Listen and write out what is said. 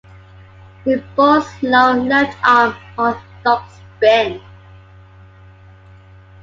He bowled slow left-arm orthodox spin.